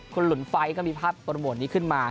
คนหลุ่นไฟล์ก็มีภาพปรมวลนี้ขึ้นมา